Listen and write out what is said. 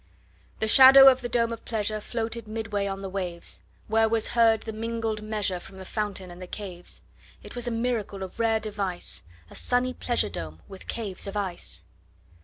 30 The shadow of the dome of pleasure Floated midway on the waves; Where was heard the mingled measure From the fountain and the caves. It was a miracle of rare device, 35 A sunny pleasure dome with caves of ice!